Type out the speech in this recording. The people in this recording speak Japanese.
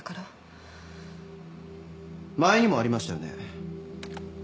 前にもありましたよね。